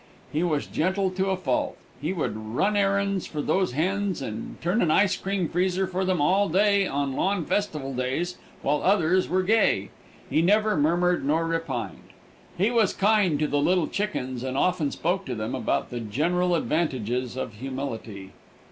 He was gentle to a fault. He would run errands for those hens and turn an icecream freezer for them all day on lawn festival days while others were gay. He never murmured nor repined. He was kind to the little chickens and often spoke to them about the general advantages of humility.